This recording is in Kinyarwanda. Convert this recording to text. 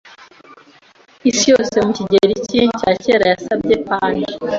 isi yose mu kigereki cya keraYasabye Pange